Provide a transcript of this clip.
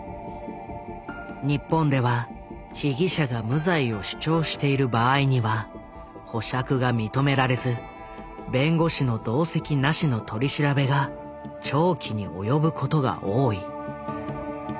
日本では被疑者が無罪を主張している場合には保釈が認められず弁護士の同席なしの取り調べが長期に及ぶことが多い。